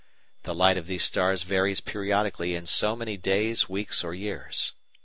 The light of these stars varies periodically in so many days, weeks, or years.